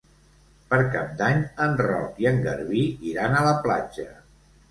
Per Cap d'Any en Roc i en Garbí iran a la platja.